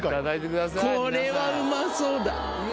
皆さんこれはうまそうだ